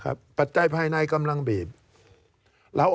การเลือกตั้งครั้งนี้แน่